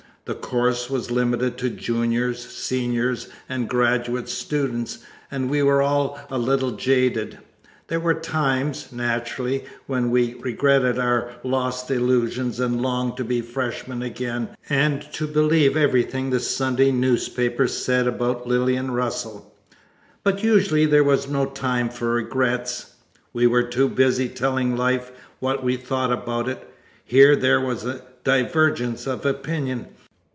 The course was limited to juniors, seniors and graduate students and we were all a little jaded. There were times, naturally, when we regretted our lost illusions and longed to be freshmen again and to believe everything the Sunday newspapers said about Lillian Russell. But usually there was no time for regrets; we were too busy telling Life what we thought about it. Here there was a divergence of opinion.